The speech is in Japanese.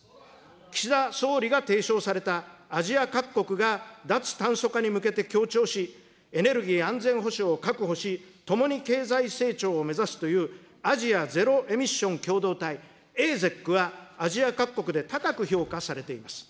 岸田総理が提唱されたアジア各国が脱炭素化に向けて協調し、エネルギー安全保障を確保し、共に経済成長を目指すという、アジア・ゼロエミッション共同体・ＡＺＥＣは、アジア各国で高く評価されています。